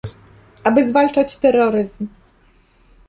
Aby zwalczać terroryzm